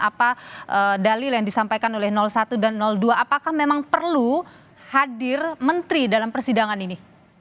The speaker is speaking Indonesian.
apa dalil yang disampaikan oleh satu dan dua apakah memang perlu hadir menteri dalam persidangan ini